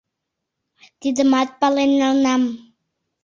Тидымат пален налынам.